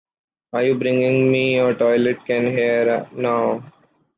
Are you bringing me your toilet can here, now?